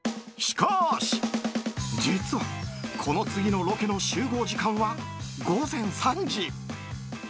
しかし、実はこの次のロケの集合時間は午前３時。